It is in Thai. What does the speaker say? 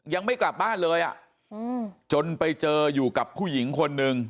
ยังไม่กลับบ้านเลยอ่ะจนไปเจออยู่กับผู้หญิงคนนึง